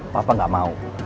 papa gak mau